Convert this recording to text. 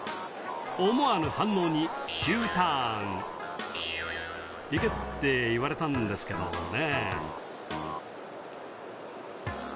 思わぬ反応に急ターン「行けって言われたんですけどね」